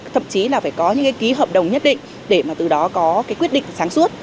thậm chí là phải có những cái ký hợp đồng nhất định để mà từ đó có cái quyết định sáng suốt